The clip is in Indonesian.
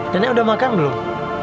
nenek udah makan belum